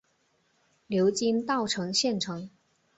流经稻城县城。